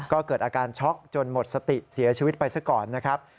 ก็เกิดอาการช็อกจนหมดสติเสียชีวิตไปซะก่อนนะครับ